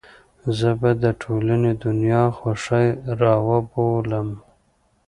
زه به د ټولې دنيا خوښۍ راوبولم.